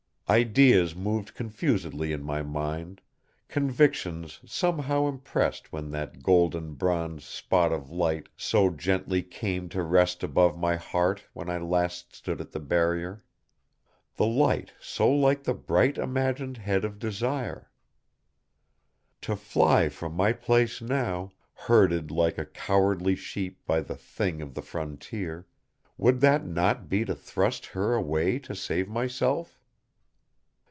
Ideas moved confusedly in my mind, convictions somehow impressed when that golden bronze spot of light so gently came to rest above my heart when I last stood at the Barrier; the light so like the bright imagined head of Desire. To fly from my place now, herded like a cowardly sheep by the Thing of the Frontier, would that not be to thrust her away to save myself?